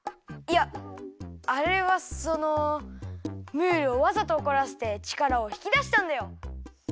いやあれはそのムールをわざとおこらせてちからをひきだしたんだよ。